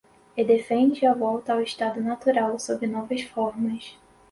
e defende a volta ao estado natural, sob novas formas